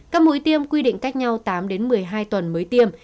các mũi tiêm quy định cách nhau tám đến một mươi hai tuần mới tiêm